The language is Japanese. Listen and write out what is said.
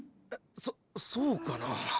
そっそうかなあ。